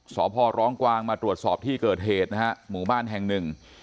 สพร้องกวางมาตรวจสอบที่เกิดเหตุนะฮะหมู่บ้านแห่งหนึ่ง